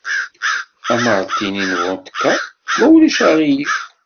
Amartini n vodka, ma ulac aɣilif.